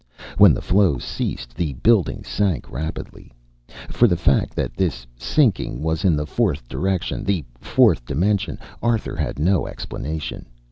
When the flow ceased the building sank rapidly. For the fact that this "sinking" was in the fourth direction the Fourth Dimension Arthur had no explanation.